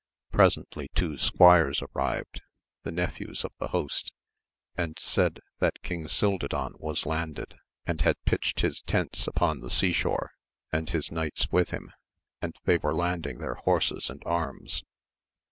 Presently two squires arrived, the nephews of the host, and said, that King Cildadan was landed, and 4—^ 52 AMADIS OF GAUL had pitched his tents upon the sea shore, and his knights with him, and they were landing their horses and arms.